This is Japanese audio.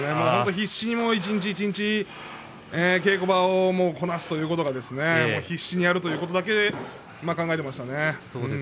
必死に一日一日稽古場をこなすということが必死にやるということだけを考えていました。